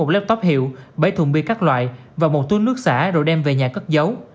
một lóp hiệu bảy thùng bia các loại và một túi nước xả rồi đem về nhà cất giấu